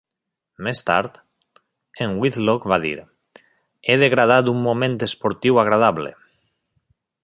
Més tard, en Whitlock va dir, He degradat un moment esportiu agradable.